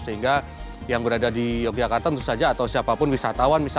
sehingga yang berada di yogyakarta tentu saja atau siapapun wisatawan